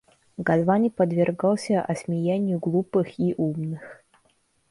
Гальвани подвергался осмеянию глупых и умных.